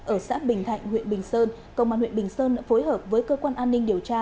ở xã bình thạnh huyện bình sơn công an huyện bình sơn đã phối hợp với cơ quan an ninh điều tra